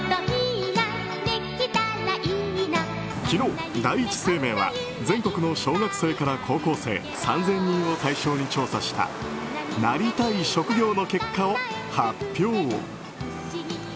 昨日、第一生命は全国の小学生から高校生３０００人を対象に調査したなりたい職業の結果を発表。